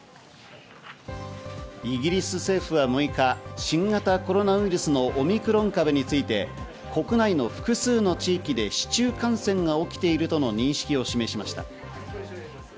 イギリス政府は６日、新型コロナウイルスのオミクロン株について国内の複数の地域で市中感染が起きているとの認識を示しました。